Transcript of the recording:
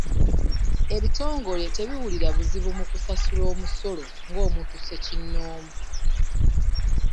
Ebitongole tebiwulira buzibu mu kusasula omusolo nga omuntu sekinnoomu.